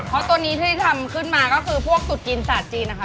เพราะตัวนี้ที่ทำขึ้นมาก็คือพวกสูตรกินศาสตร์จีนนะคะ